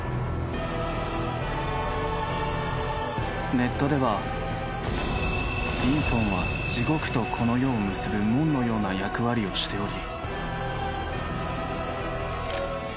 「ネットではリンフォンは地獄とこの世を結ぶ門のような役割をしており」